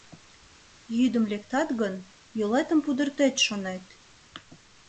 Йӱдым лектат гын, йолетым пудыртет, шонет.